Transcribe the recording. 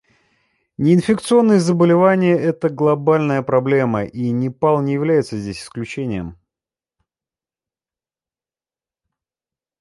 Неинфекционные заболевания — это глобальная проблема, и Непал не является здесь исключением.